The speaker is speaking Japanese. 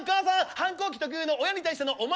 反抗期特有の親に対しての「お前」